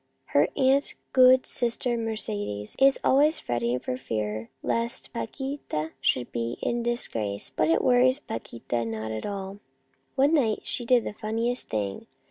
Her aunt, good Sister Mercedes, is always fretting for fear lest Paquita should be in disgrace, but it worries Paquita not at all. One night she did the funniest thing.